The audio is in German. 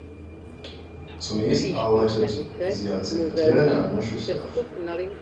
Zunächst arbeitet sie als Sekretärin in einer Schiffswerft.